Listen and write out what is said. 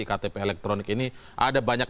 ktp elektronik ini ada banyak